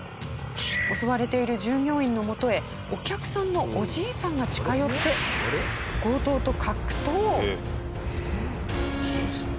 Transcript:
襲われている従業員のもとへお客さんのおじいさんが近寄ってじいさん。